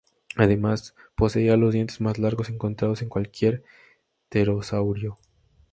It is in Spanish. Además, poseía los dientes más largos encontrados en cualquier pterosaurio.